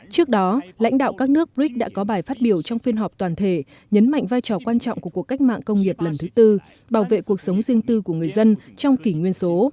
trước đó lãnh đạo các nước brics đã có bài phát biểu trong phiên họp toàn thể nhấn mạnh vai trò quan trọng của cuộc cách mạng công nghiệp lần thứ tư bảo vệ cuộc sống riêng tư của người dân trong kỷ nguyên số